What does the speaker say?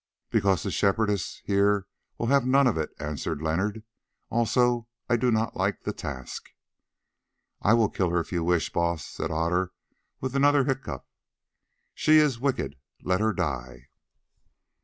"Because the Shepherdess here will have none of it," answered Leonard; "also I do not like the task." "I will kill her if you wish, Baas," said Otter with another hiccough. "She is wicked, let her die."